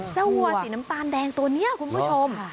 วัวสีน้ำตาลแดงตัวนี้คุณผู้ชม